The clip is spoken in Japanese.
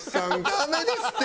ダメですって！